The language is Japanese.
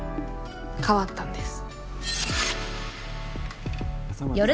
変わったんです。